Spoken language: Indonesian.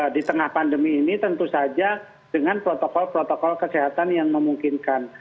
di tengah pandemi ini tentu saja dengan protokol protokol kesehatan yang memungkinkan